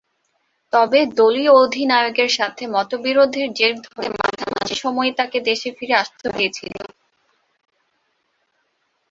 তবে, দলীয় অধিনায়কের সাথে মতবিরোধের জের ধরে মাঝামাঝি সময়েই তাকে দেশে ফিরে আসতে হয়েছিল।